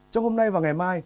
trong hôm nay và ngày mai